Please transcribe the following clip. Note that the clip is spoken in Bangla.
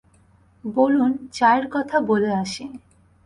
বলুন, চায়ের কথা বলে আসি।